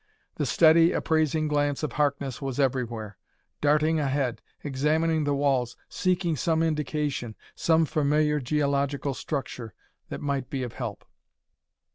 The steady, appraising glance of Harkness was everywhere darting ahead, examining the walls, seeking some indication, some familiar geological structure, that might be of help.